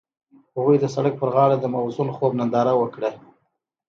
هغوی د سړک پر غاړه د موزون خوب ننداره وکړه.